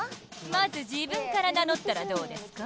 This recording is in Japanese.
まず自分から名のったらどうですか？